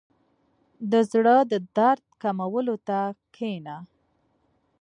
• د زړۀ د درد کمولو ته کښېنه.